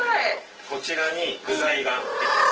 こちらに具材が入ってます。